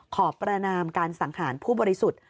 ประนามการสังหารผู้บริสุทธิ์